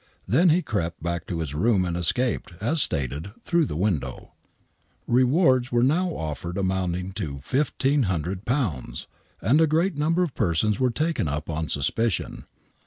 Then he crept back to his room and escaped, as stated, through the window. Rewards were now offered amounting to £1,500, and a great number of persons were taken up on suspicion.